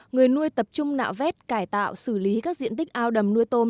người nuôi tập trung nạo vét cải tạo xử lý các diện tích ao đầm nuôi tôm